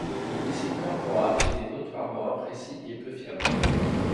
Le missile Corporal était notoirement imprécis et peu fiable.